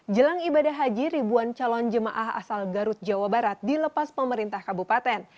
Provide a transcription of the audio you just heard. jelang ibadah haji ribuan calon jemaah asal garut jawa barat dilepas pemerintah kabupaten